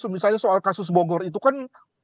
misalnya soal kasus bogor itu kan